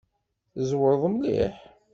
Tzewṛeḍ mliḥ!